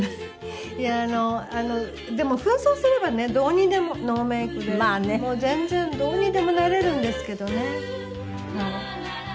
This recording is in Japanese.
いやあのでも扮装すればねどうにでもノーメイクでもう全然どうにでもなれるんですけどね。